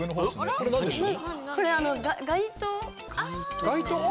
これ何でしょう？